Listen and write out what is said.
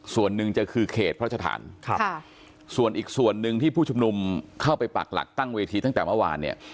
ส่วนหนึ่งจะคือเขตพระชฐานครับส่วนอีกส่วนหนึ่งที่ผู้ชุมนุมเข้าไปปักหลักตั้งเวทีตั้งแต่เมื่อวานเนี่ย